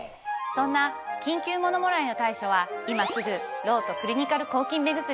そんな緊急ものもらいの対処は今すぐロートクリニカル抗菌目薬。